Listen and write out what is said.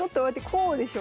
こうでしょ？